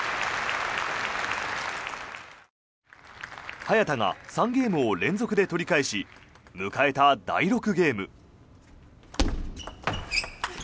早田が３ゲームを連続で取り返し迎えた第６ゲーム。